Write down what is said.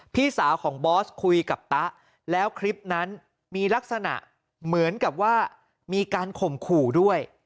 พี่สาวของบอสคุยกับตะแล้วคลิปนั้นมีลักษณะเหมือนกับว่ามีการข่มขู่ด้วย